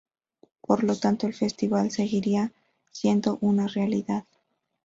Por lo tanto, el festival seguiría siendo una realidad.